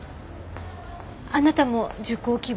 あなたも受講希望？